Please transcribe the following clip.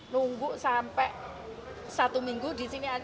nunggu sampai satu minggu di sini